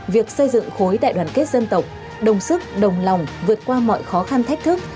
việc xây dựng khối đại đoàn kết dân tộc đồng sức đồng lòng vượt qua mọi khó khăn thách thức